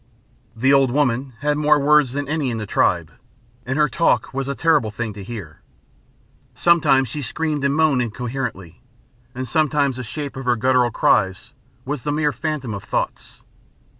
The old woman had more words than any in the tribe. And her talk was a terrible thing to hear. Sometimes she screamed and moaned incoherently, and sometimes the shape of her guttural cries was the mere phantom of thoughts.